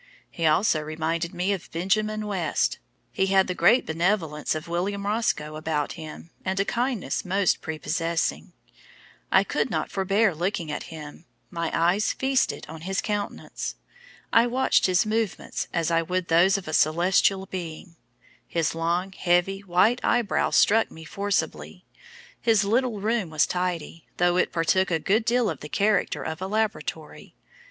He also reminded me of Benjamin West; he had the great benevolence of William Roscoe about him and a kindness most prepossessing. I could not forbear looking at him, my eyes feasted on his countenance. I watched his movements as I would those of a celestial being; his long, heavy, white eyebrows struck me forcibly. His little room was tidy, though it partook a good deal of the character of a laboratory.